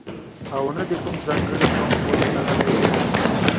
او نه د کوم ځانګړي قوم پورې تړلی دی.